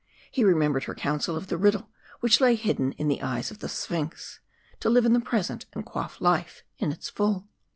He remembered her counsel of the riddle which lay hidden in the eyes of the Sphinx to live in the present and quaff life in its full.